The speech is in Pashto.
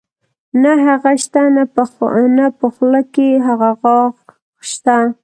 نۀ هغه شته نۀ پۀ خولۀ کښې هغه غاخ شته